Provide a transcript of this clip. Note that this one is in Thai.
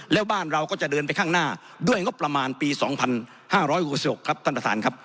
แล้วบ้านเราก็จะเดินไปข้างหน้าด้วยงบประมาณปี๒๕๖๖ครับท่านประธานครับ